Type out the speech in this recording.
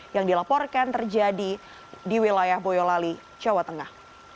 yang dilaporkan terjadi di wilayah boyolali jawa tengah